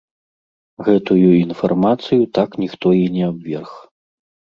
Гэтую інфармацыю так ніхто і не абверг.